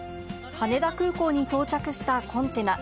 羽田空港に到着したコンテナ。